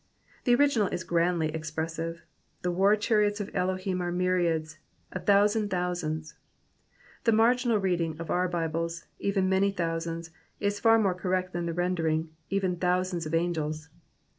The original is grandly expressive :the war chariots of Elohim are myriads, a thouj^and thousands.*' The marginal reading of our Bibles, '''' eten many thousands,'''' is far more cor rect than the rendering, even thousands of angels.''''